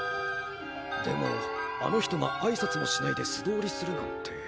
でもあの人があいさつもしないですどおりするなんて。